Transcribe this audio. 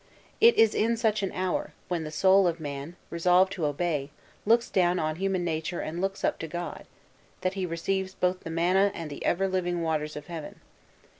It is in such an hour, when the soul of man, resolved to obey, looks down on human nature and looks up to God, that he receives both the manna and the ever living waters of heaven.